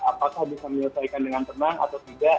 apakah bisa menyelesaikan dengan tenang atau tidak